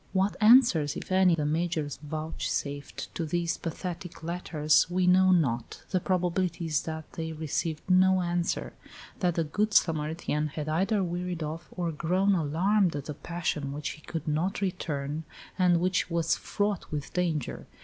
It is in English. What answers, if any, the Major vouchsafed to these pathetic letters we know not. The probability is that they received no answer that the "good Samaritan" had either wearied of or grown alarmed at a passion which he could not return, and which was fraught with danger.